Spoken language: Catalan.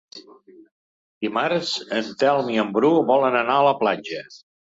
Dimarts en Telm i en Bru volen anar a la platja.